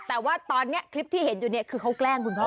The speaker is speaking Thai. แต่ว่าตอนนี้คลิปที่เห็นอยู่เนี่ยคือเขาแกล้งคุณพ่อ